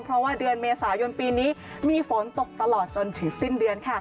เพราะว่าเดือนเมษายนปีนี้มีฝนตกตลอดจนถึงสิ้นเดือนค่ะ